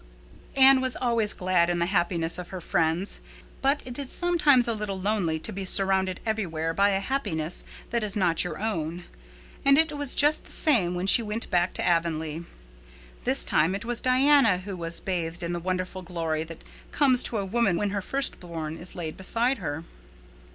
Anne was always glad in the happiness of her friends; but it is sometimes a little lonely to be surrounded everywhere by a happiness that is not your own. And it was just the same when she went back to Avonlea. This time it was Diana who was bathed in the wonderful glory that comes to a woman when her first born is laid beside her.